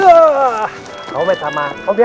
tuh kamu main sama aku ya